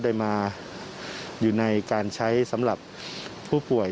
ได้มาอยู่ในการใช้สำหรับผู้ป่วย